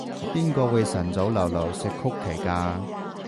邊個會晨早流流食曲奇㗎？